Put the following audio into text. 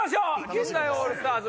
陣内オールスターズ